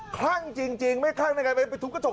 คลั่งจริงไม่คลั่งในการไปทุบกระจก